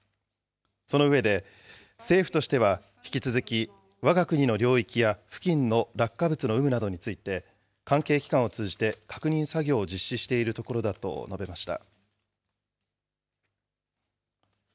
その上で、政府としては引き続き、わが国の領域や付近の落下物の有無などについて、関係機関を通じて、確認作業を実施しているところだと述べました。